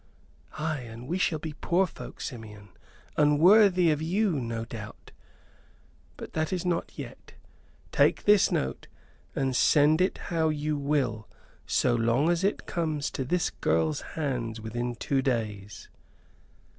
"Ay, and we shall be poor folk, Simeon, unworthy of you, no doubt. But that is not yet. Take this note, and send it how you will so long as it comes to this girl's hands within two days."